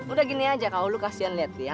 udah gini aja kau lu kasihan liat dia